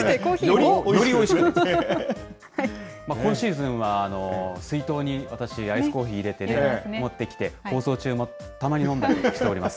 今シーズンは、水筒に私、アイスコーヒー入れて持ってきて、放送中もたまに飲んだりしております。